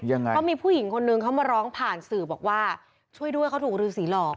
ยังไงเพราะมีผู้หญิงคนนึงเขามาร้องผ่านสื่อบอกว่าช่วยด้วยเขาถูกรือสีหลอก